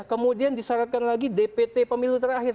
kemudian disyaratkan lagi dpt pemilu terakhir